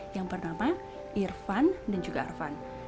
yang bernama irfan dan juga arvan